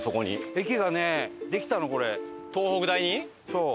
そう。